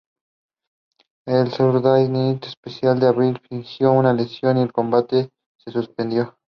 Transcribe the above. En Saturday Night Special de abril, fingió una lesión y el combate se suspendió.